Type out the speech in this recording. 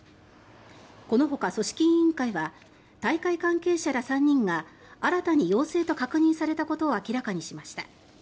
このほか組織委員会は大会関係者ら３人が新たに陽性と確認されたことを明らかにしました。